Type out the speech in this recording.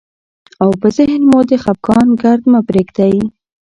او په ذهن مو د خفګان ګرد مه پرېږدئ،